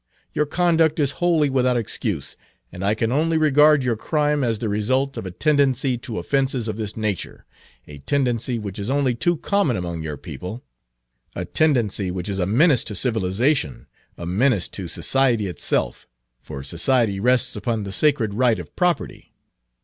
Your conduct is wholly without excuse, and I can only regard your crime as the result of a tendency to offenses of this nature, a tendency which is only too common among your people; a tendency which is a menace to civilization, a menace to society itself, for society rests upon the sacred right of property.